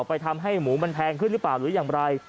ไปทำให้หมูมันแพงขึ้นหรือเปล่าหรืออย่างไร